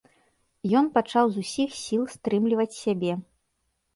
Ён пачаў з усіх сіл стрымліваць сябе.